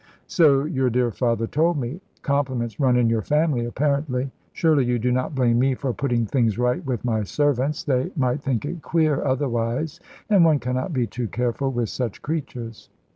"So your dear father told me. Compliments run in your family, apparently. Surely you do not blame me for putting things right with my servants. They might think it queer, otherwise, and one cannot be too careful with such creatures."